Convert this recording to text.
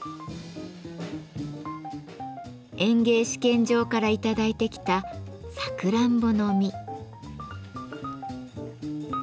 園芸試験場から頂いてきたサクランボの実。